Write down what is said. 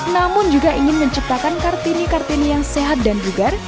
namun juga ingin menciptakan kartini kartini yang sehat dan bugar